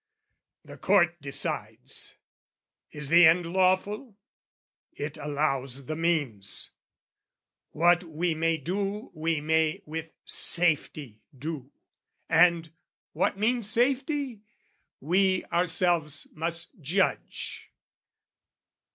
The Court decides. Is the end lawful? It allows the means: What we may do we may with safety do, And what means "safety" we ourselves must judge.